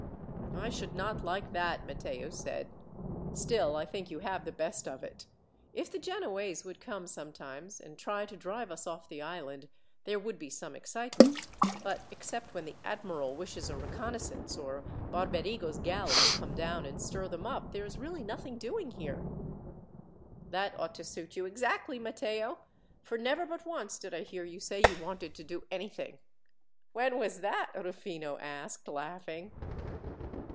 "I should not like that," Matteo said. "Still, I think you have the best of it. If the Genoese would come sometimes, and try and drive us off the island, there would be some excitement. But, except when the admiral wishes a reconnaissance, or Barberigo's galleys come down and stir them up, there is really nothing doing here." "That ought to suit you exactly, Matteo, for never but once did I hear you say you wanted to do anything." "When was that?" Rufino asked, laughing.